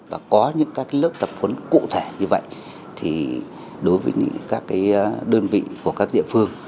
và có những các lớp tập huấn cụ thể như vậy thì đối với những đơn vị của các địa phương